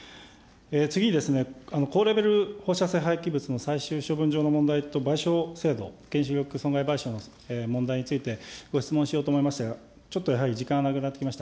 次にですね、高レベル放射性廃棄物の最終処分場の問題と賠償制度、原子力損害賠償の問題についてご質問しようと思いましたが、ちょっとやはり時間がなくなってきました。